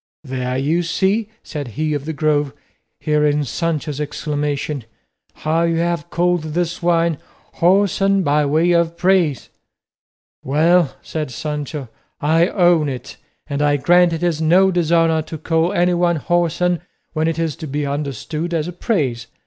"There, you see," said he of the Grove, hearing Sancho's exclamation, "how you have called this wine whoreson by way of praise." "Well," said Sancho, "I own it, and I grant it is no dishonour to call anyone whoreson when it is to be understood as praise.